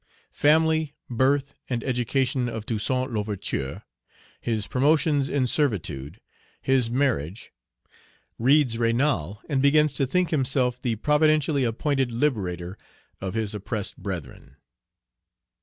Family, birth, and education of Toussaint L'Ouverture His promotions in servitude His marriage Reads Raynal, and begins to think himself the providentially appointed liberator of his oppressed brethren.